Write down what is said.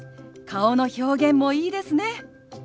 顔の表現もいいですね。